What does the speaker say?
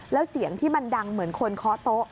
แล้วเสียงที่มันดังเหมือนคนเคาะโต๊ะ